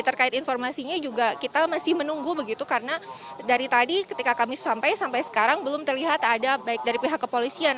terkait informasinya juga kita masih menunggu begitu karena dari tadi ketika kami sampai sampai sekarang belum terlihat ada baik dari pihak kepolisian